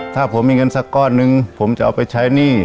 ถ้าผมมีเงินสักก้อนหนึ่งผมจะเอาไปใช้หนี้